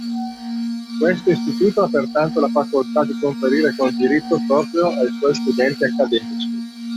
Questo Istituto ha pertanto la facoltà di conferire con diritto proprio ai suoi studenti accademici